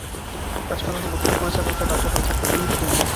রাষ্ট্র তাদের উপেক্ষা করেছে এবং সেটা অব্যাহত থাকবে বলেই প্রতীয়মান হচ্ছে।